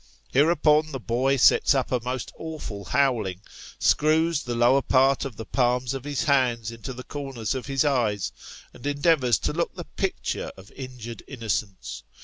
Hereupon, the boy sets up a most awful howling ; screws the lower part of the palms of his hands into the corners of his eyes ; and endeavours to look the picture of injured innocence.